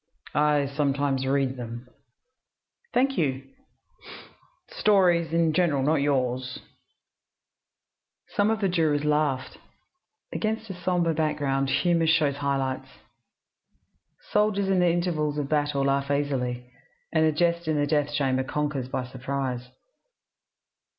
"I sometimes read them." "Thank you." "Stories in general not yours." Some of the jurors laughed. Against a sombre background humor shows high lights. Soldiers in the intervals of battle laugh easily, and a jest in the death chamber conquers by surprise.